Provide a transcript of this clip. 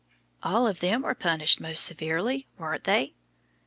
All of them were punished 'most severely,' weren't they?